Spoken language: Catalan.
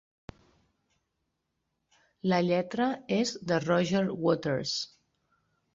La lletra és de Roger Waters.